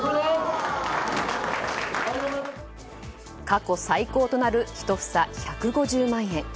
過去最高となる１房１５０万円。